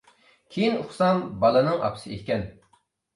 كېيىن ئۇقسام، بالىنىڭ ئاپىسى ئىكەن.